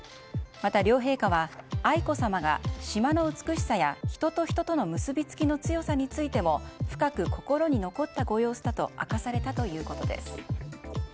また、両陛下は愛子さまが島の美しさや人と人との結びつきの強さについても深く心に残ったご様子だと明かされたということです。